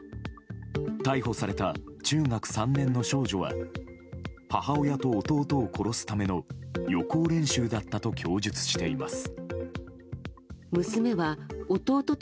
逮捕された中学３年の少女は母親と弟を殺すための予行練習だったと供述しています。